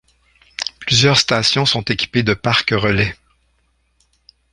Plusieurs stations sont équipées de parc relais.